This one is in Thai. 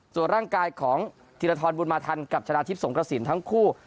ส่วนร่างกายของธีรทรบุญมาทันกับชนะทิพย์สงกระสินทั้งคู่